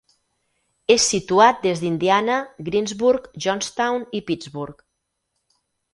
És situat des d'Indiana, Greensburg, Johnstown i Pittsburgh.